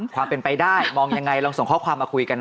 ความเป็นไปได้มองยังไงลองส่งข้อความมาคุยกัน